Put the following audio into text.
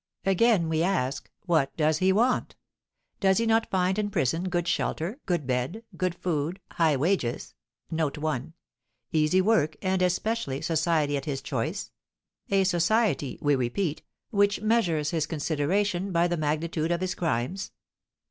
Again, we ask, what does he want? Does he not find in prison good shelter, good bed, good food, high wages, easy work, and, especially, society at his choice, a society, we repeat, which measures his consideration by the magnitude of his crimes?